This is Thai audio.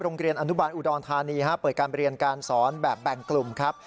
โรงเรียนอนุบาลอุดรธานีเปิดการเรียนการสอนแบบแบ่งกลุ่มครับ